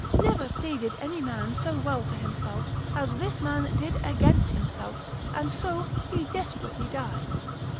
Never pleaded any man so well for himself, as this man did against himself, and so he desperately died.